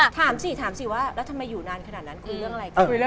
ถามสิถามสิว่าแล้วทำไมอยู่นานขนาดนั้นคือเรื่องอะไรกัน